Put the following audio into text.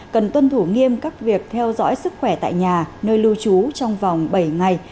cần tuân thủ nghiêm các việc theo dõi sức khỏe tại nhà nơi lưu trú trong vòng bảy ngày